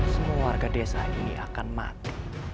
semua warga desa ini akan mati